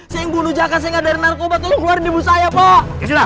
si yang bunuh jaka si yang ngadari narkoba tolong keluarin ibu saya pak